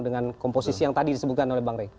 dengan komposisi yang tadi disebutkan oleh bang rey